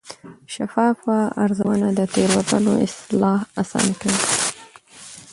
شفافه ارزونه د تېروتنو اصلاح اسانه کوي.